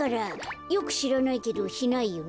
よくしらないけどしないよね。